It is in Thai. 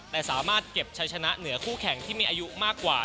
แต่สามารถเก็บชัยชนะเหนือคู่แข่งที่มีอายุมากกว่า